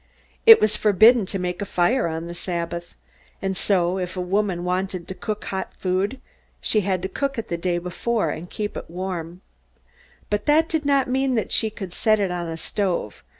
It was forbidden to make a fire on the Sabbath. And so, if a woman wanted hot food, she had to cook it the day before, and keep it warm. But that did not mean that she could set it on a stove.